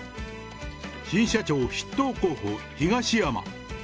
新社長筆頭候補、東山。